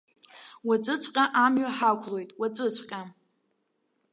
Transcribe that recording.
Уаҵәыҵәҟьа амҩа ҳақәлоит, уаҵәыҵәҟьа!